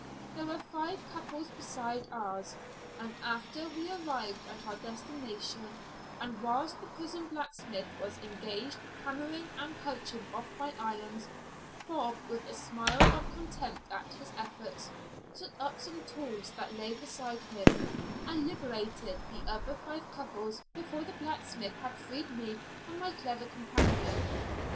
There were five couples besides ours, and after we arrived at our destination, and whilst the prison blacksmith was engaged hammering and punching off my irons, Bob, with a smile of contempt at his efforts, took up some tools that lay beside him and liberated the other five couples before the blacksmith had freed me and my clever companion.